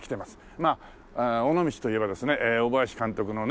まあ尾道といえばですね大林監督のね